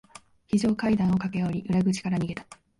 非常階段を駆け下り、裏口から逃げた。